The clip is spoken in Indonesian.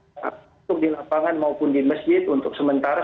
untuk di lapangan maupun di masjid untuk sementara